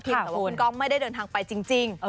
เพราะคุณก้องไม่ได้เดินทางไปจริง